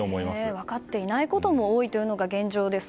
分かっていないことも多いのが現状です。